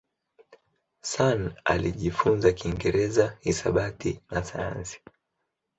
Sun alijifunza Kiingereza, hisabati na sayansi.